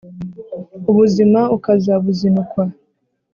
ubuzima ukabuzinukwa